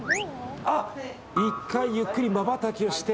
１回ゆっくりまばたきをして。